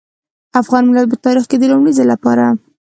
افغان ملت په تاريخ کې د لومړي ځل لپاره.